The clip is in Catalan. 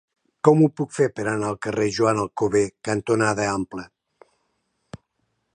Com ho puc fer per anar al carrer Joan Alcover cantonada Ample?